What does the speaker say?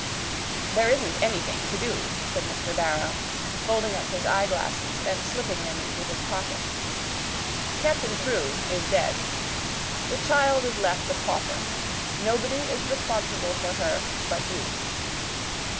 "There isn't anything to do," said Mr. Barrow, folding up his eyeglasses and slipping them into his pocket. "Captain Crewe is dead. The child is left a pauper. Nobody is responsible for her but you."